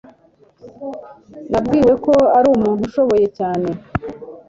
Nabwiwe ko ari umuntu ushoboye cyane